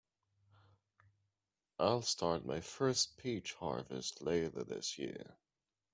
I'll start my first peach harvest later this year.